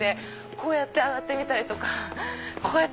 こうやって上がってみたり。